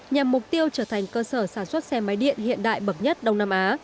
nhằm mục tiêu trở thành cơ sở sản xuất xe máy điện hiện đại bậc nhất đông nam á